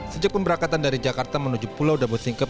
sejak pemberakatan dari jakarta menuju pulau dabu singkep